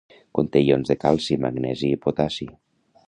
Conté ions de calci, magnesi i potassi.